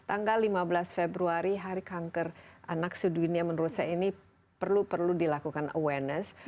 anak sedunia menurut saya ini perlu perlu dilakukan awareness